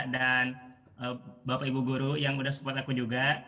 dan bapak ibu guru yang sudah support aku juga